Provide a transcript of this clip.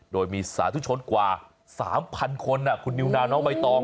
โดยมีสาธุชนกว่า๓๐๐คนคุณนิวนาวน้องใบตอง